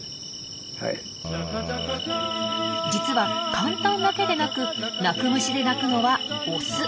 実はカンタンだけでなく鳴く虫で鳴くのはオス。